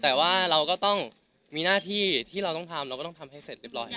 แต่ว่าเราก็ต้องมีหน้าที่ที่เราต้องทำเราก็ต้องทำให้เสร็จเรียบร้อย